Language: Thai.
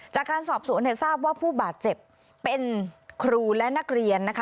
จากการสอบสวนเนี่ยทราบว่าผู้บาดเจ็บเป็นครูและนักเรียนนะคะ